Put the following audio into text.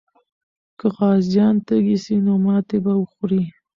که غازیان تږي سي، نو ماتې به وخوري.